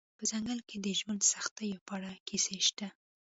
په ځنګل کې د ژوند سختیو په اړه کیسې شته